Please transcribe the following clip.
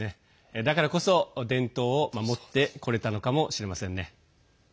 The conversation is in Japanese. だからこそ、伝統を守ってこれたのかもしれませんね。